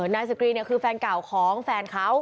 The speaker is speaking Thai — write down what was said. นายสกรีเนี่ยคือแฟนเก่าของแฟนเขา